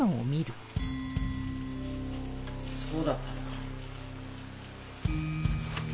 そうだったのか。